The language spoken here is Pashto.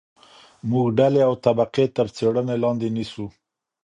موږ ډلې او طبقې تر څېړنې لاندې نیسو.